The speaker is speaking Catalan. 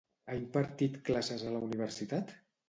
Ha impartit classes a la universitat?